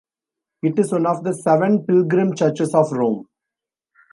It is one of the Seven Pilgrim Churches of Rome.